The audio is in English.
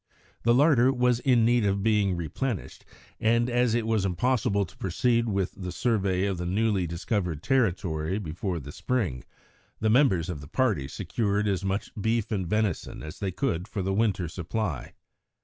The larder was in need of being replenished, and as it was impossible to proceed with the survey of the newly discovered territory before the spring, the members of the party secured as much beef and venison as they could for winter supply.